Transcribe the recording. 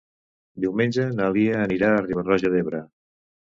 Diumenge na Lia anirà a Riba-roja d'Ebre.